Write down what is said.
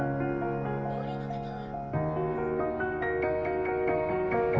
お降りの方は」。